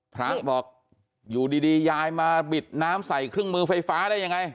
พระบอกอยู่ดียายมาบิดน้ำใส่เครื่องมือไฟฟ้าได้ยังไง